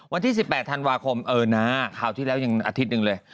วันที่๑๘ธันวาคมเออนะคราวที่แล้วยังอาทิตย์หนึ่งเลย